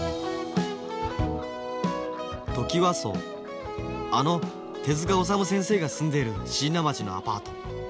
トキワ荘あの手治虫先生が住んでいる椎名町のアパート。